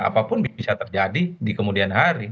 apapun bisa terjadi di kemudian hari